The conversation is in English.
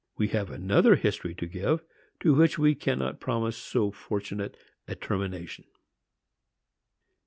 We have another history to give, to which we cannot promise so fortunate a termination.